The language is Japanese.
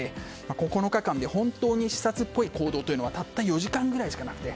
９日間で本当に視察っぽい行動はたった４時間ぐらいしかなくて。